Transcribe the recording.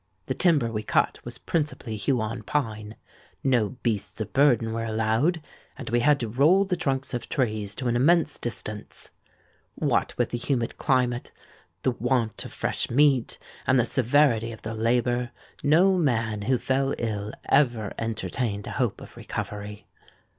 The timber we cut was principally Huon pine; no beasts of burden were allowed; and we had to roll the trunks of trees to an immense distance. What with the humid climate, the want of fresh meat, and the severity of the labour, no man who fell ill ever entertained a hope of recovery.